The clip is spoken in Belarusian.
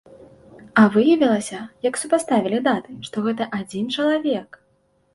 А выявілася, як супаставілі даты, што гэта адзін чалавек!